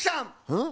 うん？